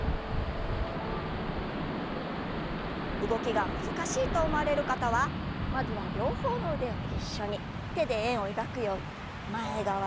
動きが難しいと思われる方はまずは両方の腕を一緒に手で円を描くように前側と後ろ側。